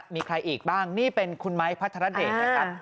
มีใครอีกบ้างนี่เป็นคุณไม้พัทรเดชนะครับ